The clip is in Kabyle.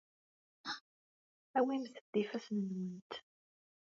Awimt-d ifassen-nwent.